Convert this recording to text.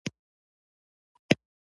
د مایع حد د ابدارۍ د فیصدي مقدار دی